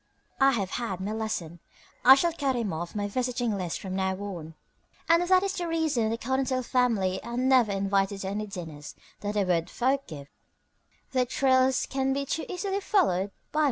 I have had my lesson. I shall cut them off my visiting list from now on." And that is the reason the Cottontail family are never invited to any dinners that the wood folk give their trails can be too easily followed by Mr. Dog.